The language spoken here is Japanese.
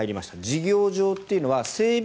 事業場というのは整備